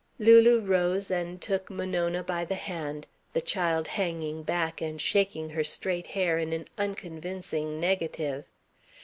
Lulu rose and took Monona by the hand, the child hanging back and shaking her straight hair in an unconvincing negative.